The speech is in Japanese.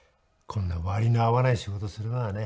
「こんな割の合わない仕事するのはね」